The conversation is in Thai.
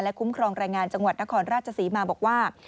คุ้มครองแรงงานจังหวัดนครราชศรีมาบอกว่า